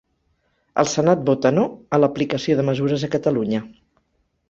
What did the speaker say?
El senat vota no a l'aplicació de mesures a Catalunya